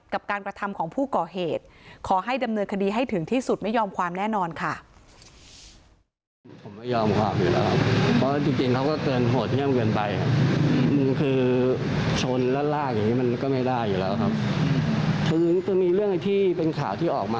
กับการกระทำของผู้ก่อเหตุขอให้ดำเนินคดีให้ถึงที่สุดไม่ยอมความแน่นอนค่ะ